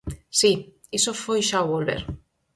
Si, iso foi xa ao volver.